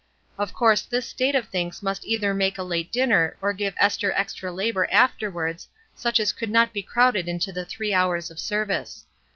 Of course this state of things must either make a late dinner or give Esther extra labor afterwards, such as could not be crowded into the three hours of service.